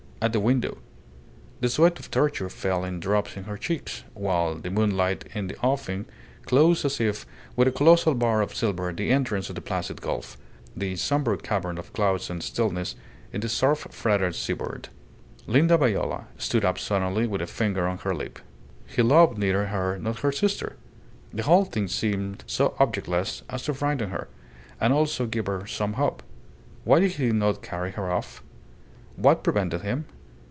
At the window. The sweat of torture fell in drops on her cheeks, while the moonlight in the offing closed as if with a colossal bar of silver the entrance of the Placid Gulf the sombre cavern of clouds and stillness in the surf fretted seaboard. Linda Viola stood up suddenly with a finger on her lip. He loved neither her nor her sister. The whole thing seemed so objectless as to frighten her, and also give her some hope. Why did he not carry her off? What prevented him?